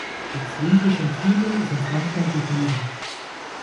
Die zylindrischen Triebe sind manchmal gegliedert.